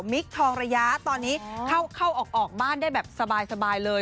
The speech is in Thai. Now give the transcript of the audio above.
ทองระยะตอนนี้เข้าออกบ้านได้แบบสบายเลย